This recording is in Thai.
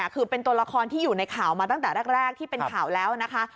คือเป็นตัวละครที่อยู่ในข่าวมาตั้งแต่แรกที่เป็นข่าวแล้วนะคะ